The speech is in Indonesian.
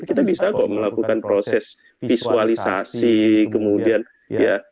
kita bisa kok melakukan proses visualisasi kemudian suara suara audio yang lebih baik